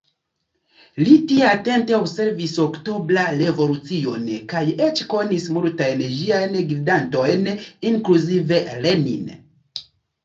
Li tie atente observis Oktobra Revolucion kaj eĉ konis multajn ĝiajn gvidantojn, inkluzive Lenin.